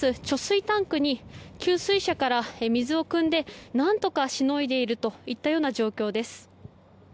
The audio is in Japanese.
貯水タンクに給水車から水をくんで何とかしのいでいるといったような状況です。